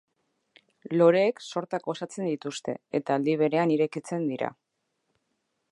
Loreek sortak osatzen dituzte eta aldi berean irekitzen dira.